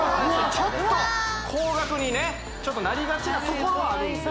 ちょっと高額にねなりがちなところはあるんです